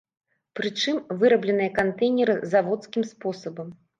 Прычым, вырабленыя кантэйнеры заводскім спосабам.